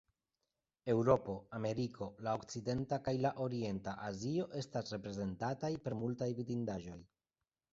Eŭropo, Ameriko, La Okcidenta kaj la Orienta Azio estas reprezentataj per multaj vidindaĵoj.